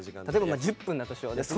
例えば１０分だとしよう。